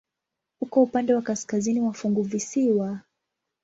Uko upande wa kaskazini wa funguvisiwa.